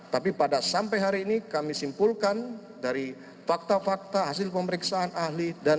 tapi pada sampai hari ini kami simpulkan dari fakta fakta hasil pemeriksaan ahli